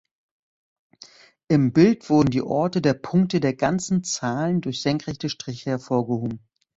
Im Bild wurden die Orte der Punkte der ganzen Zahlen durch senkrechte Striche hervorgehoben.